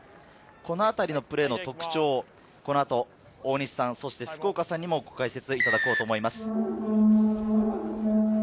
このプレーの特徴、この後、大西さん、福岡さんにもご解説いただこうと思います。